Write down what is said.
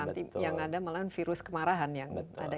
nanti yang ada malah virus kemarahan yang ada